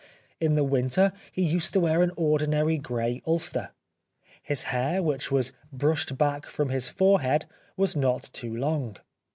In the winter he used to wear an ordinary grey ulster. His hair which 136 The Life of Oscar Wilde was brushed back from his forehead was not too long.